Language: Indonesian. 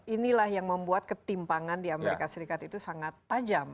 inilah yang membuat ketimpangan di amerika serikat itu sangat tajam